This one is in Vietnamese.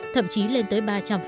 thậm chí lên tới ba trăm linh